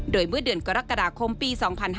โดยเมื่อเดือนกรกฎาคมปี๒๕๕๙